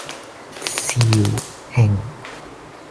肇慶